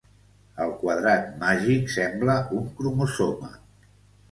El quadrat màgic sembla un cromosoma.